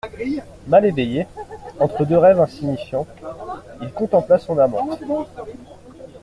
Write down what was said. Mal éveillé, entre deux rêves insignifiants, il contempla son amante.